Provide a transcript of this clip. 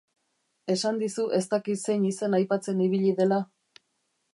Esan dizu ez dakit zein izen aipatzen ibili dela?